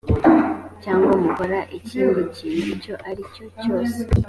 cyangwa mukora ikindi kintu icyo ari cyo cyose